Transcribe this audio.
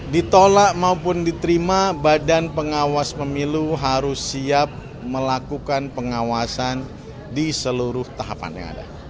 ditolak maupun diterima badan pengawas pemilu harus siap melakukan pengawasan di seluruh tahapan yang ada